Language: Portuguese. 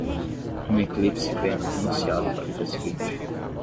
Um eclipse foi anunciado para o dia seguinte.